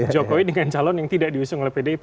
jokowi dengan calon yang tidak diusung oleh pdip